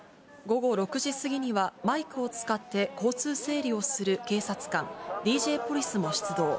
午後６時過ぎには、マイクを使って交通整理をする警察官、ＤＪポリスも出動。